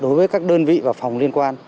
đối với các đơn vị và phòng liên quan